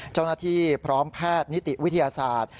เจ้าหน้าที่พร้อมแพทย์นิติวิทยาศาสตร์